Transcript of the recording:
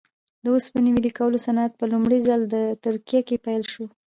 د اوسپنې ویلې کولو صنعت په لومړي ځل په ترکیه کې پیل شو.